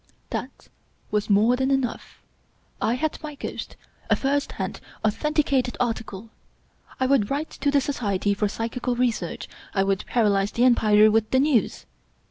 That was more than enough ! I had my ghost — a first hand, authenticated article. I would write to the Society for Psychical Research — I would paralyze the Empire with the news!